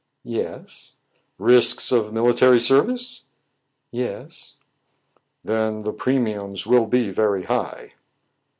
"Yes." " Risks of military service ?" "Yes." "Then the premiums will be very high."